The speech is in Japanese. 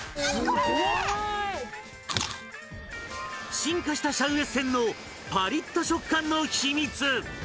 進化したシャウエッセンのパリッとした秘密。